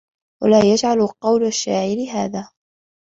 وَلَا يَجْعَلُ قَوْلَ الشَّاعِرِ هَذَا